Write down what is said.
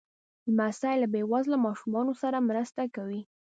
لمسی له بې وزله ماشومانو سره مرسته کوي.